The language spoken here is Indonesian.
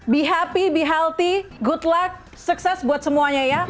be happy be healthy good luck sukses buat semuanya ya